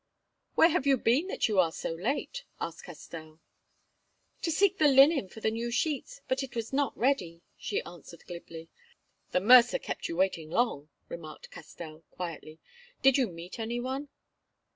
"Where have you been that you are so late?" asked Castell. "To seek the linen for the new sheets, but it was not ready," she answered glibly. "The mercer kept you waiting long," remarked Castell quietly. "Did you meet any one?"